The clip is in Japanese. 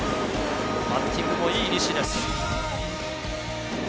バッティングもいい西です。